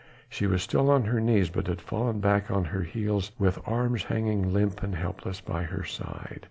She was still on her knees, but had fallen back on her heels, with arms hanging limp and helpless by her side.